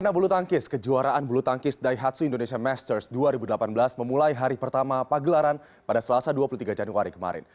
pelutangkis kejuaraan bulu tangkis daihatsu indonesia masters dua ribu delapan belas memulai hari pertama pagelaran pada selasa dua puluh tiga januari kemarin